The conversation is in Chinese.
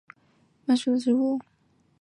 袋萼黄耆为豆科黄芪属的植物。